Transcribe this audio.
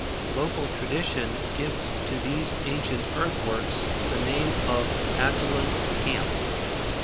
Local tradition gives to these ancient earthworks the name of Attila's Camp.